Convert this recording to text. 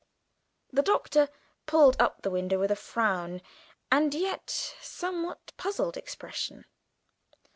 The Doctor pulled up the window with a frown, and yet a somewhat puzzled expression.